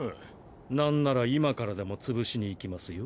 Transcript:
なんなら今からでも潰しに行きますよ。